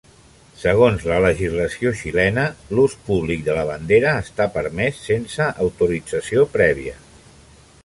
Segons la legislació xilena, l'ús públic de la bandera està permès sense autorització prèvia.